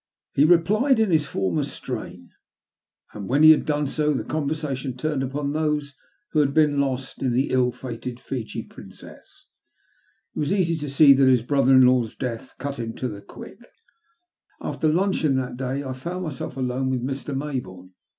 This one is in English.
He replied in his former strain, and when he had done so, the conversation turned upon those who had been lost in the ill fated Fiji Princess. It was easy to see that his brother in law's death cut him to the quick. After luncheon that day I found myself alone with Mr. Mayboume.